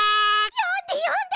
よんでよんで！